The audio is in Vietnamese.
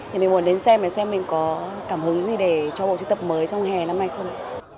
thì mình muốn đến xem xem mình có cảm hứng gì để cho mẫu thiết tập mới trong hè năm nay không